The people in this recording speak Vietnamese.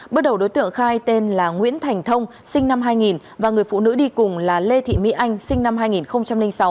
bước đầu đối tượng khai tên là nguyễn thành thông sinh năm hai nghìn và người phụ nữ đi cùng là lê thị mỹ anh sinh năm hai nghìn sáu